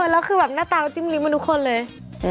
แล้วคือให้หน้าตาจิ้มลิ้มอันทุกคนเลย